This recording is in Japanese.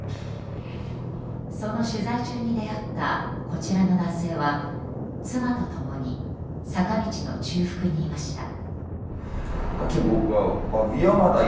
その取材中に出会ったこちらの男性は、妻と共に坂道の中腹にいました。